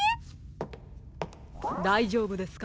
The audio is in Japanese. だいじょうぶですか？